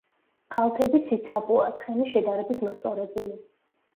კალთები ციცაბოა, თხემი შედარებით მოსწორებული.